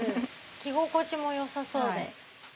着心地もよさそうで。